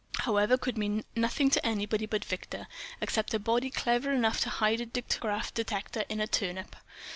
P.", however, could mean nothing to anybody but Victor—except a body clever enough to hide a dictograph detector in a turnip.